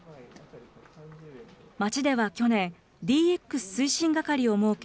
町では去年、ＤＸ推進係を設け、